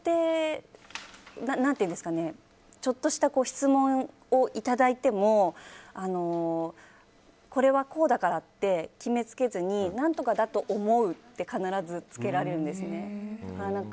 ちょっとした質問をいただいてもこれは、こうだからって決めつけずに何とかだと思うって必ずつけられるんですね。